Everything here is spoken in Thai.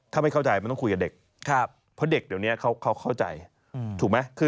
ถ้าไม่เข้าใจมันต้องคุยกับเด็กเพราะเด็กเดี๋ยวนี้เขาเข้าใจถูกไหม